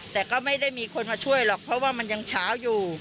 แต่ก็ไม่ได้มีคนมาช่วยหรอกเพราะว่ามันยังเช้าอยู่